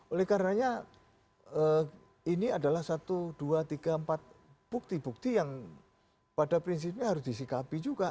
oleh karenanya ini adalah satu dua tiga empat bukti bukti yang pada prinsipnya harus disikapi juga